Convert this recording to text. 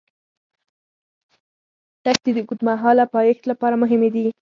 دښتې د اوږدمهاله پایښت لپاره مهمې دي.